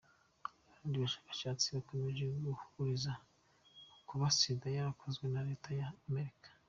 Abandi bashakashatsi bakomeje guhuriza kukuba Sida yarakozwe na Leta ya Amerika.